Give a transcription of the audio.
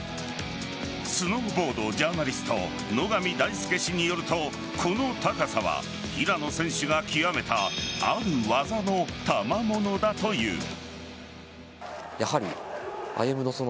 スノーボードジャーナリスト野上大介氏によるとこの高さは平野選手が極めたある技のたまものだという。